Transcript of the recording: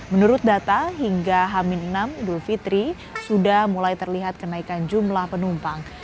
menurut data hingga hamin enam idul fitri sudah mulai terlihat kenaikan jumlah penumpang